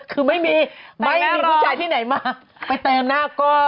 คือไม่มีไม่มีผู้ชายที่ไหนมาไปเติมหน้ากล้อง